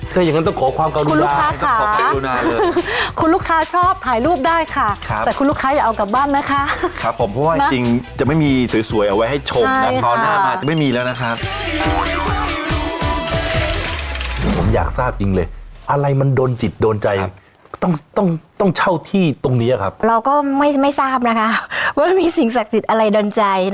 อย่างนั้นต้องขอความกลัวดูนาต้องขอความกลัวดูนาเลยคุณลูกค้าค่ะ